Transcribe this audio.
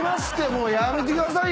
もうやめてくださいよ！